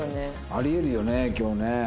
あり得るよね今日ね。